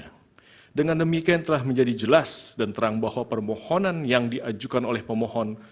karena demikian telah menjadi jelas dan terang bahwa permohonan yang diajukan oleh pemohon